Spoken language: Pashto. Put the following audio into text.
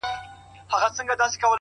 کلونه وسول دا وايي چي نه ځم اوس به راسي!